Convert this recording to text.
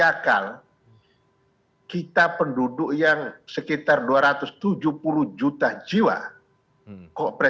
oke ayo kita mulai dengan malam tepat ke tiga puluh tujuh tahun dua ribu dua puluh